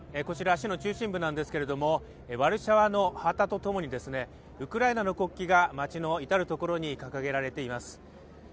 こちら市の中心部なんですけれどもワルシャワの旗と共にウクライナの国旗が街の至る所に掲げられています。